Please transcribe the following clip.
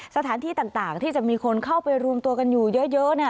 สถานที่ต่างที่จะมีคนเข้าไปรวมตัวกันอยู่เยอะเนี่ย